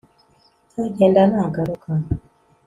nzagenda nagaruka